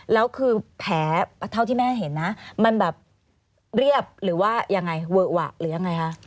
แล้วคือแผลเท่าที่แม่เห็นนะมันแบบเรียบหรือว่ายังไงเวอะหวะหรือยังไงคะ